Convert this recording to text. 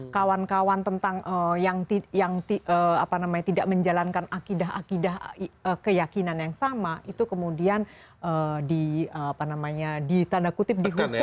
kawan kawan yang tidak menjalankan akidah akidah keyakinan yang sama itu kemudian ditanda kutip dihukum